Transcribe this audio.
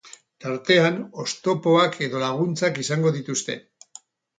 Tartean, oztopoak edo laguntzak izango dituzte.